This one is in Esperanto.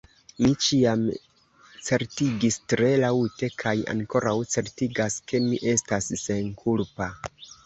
Mi ĉiam certigis tre laŭte kaj ankoraŭ certigas, ke mi estas senkulpa.